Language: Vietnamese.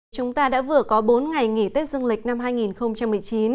chúng ta đã vừa có bốn ngày nghỉ tết dương lịch năm hai nghìn một mươi chín